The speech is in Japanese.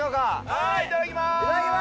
はい、いただきます。